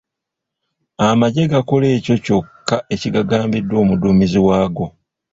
Amaggye gakola ekyo kyokka ekigagambiddwa omuduumizi waago.